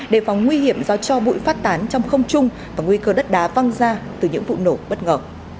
đề phóng nguy hiểm do cho bụi phát tán trong không trung và nguy cơ đất đá văng ra từ những vụ nổ bất ngờ